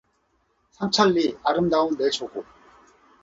삼천리 아름다운 내 조국